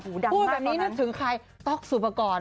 พูดแบบนี้นึกถึงใครต๊อกสุปกรณ์